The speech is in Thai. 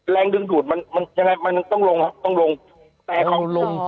แรงดึงถูดมันต้องลงต้องลง